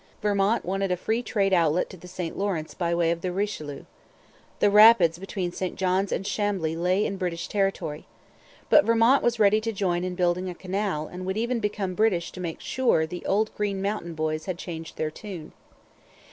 Vermont wanted a 'free trade' outlet to the St Lawrence by way of the Richelieu. The rapids between St Johns and Chambly lay in British territory. But Vermont was ready to join in building a canal and would even become British to make sure. The old Green Mountain Boys had changed their tune.